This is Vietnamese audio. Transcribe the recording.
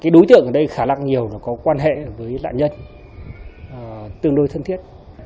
đối tượng ở đây khá là nhiều có quan hệ với nạn nhân tương đối thân thiết